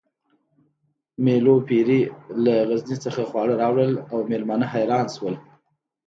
مېلو پېري له غزني څخه خواړه راوړل او مېلمانه حیران شول